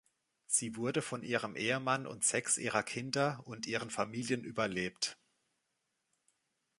Sie wurde von ihrem Ehemann und sechs ihrer Kinder und ihren Familien überlebt.